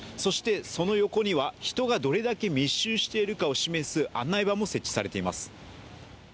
その横には人がどれだけ密集しているかを示す案内板も設置されています。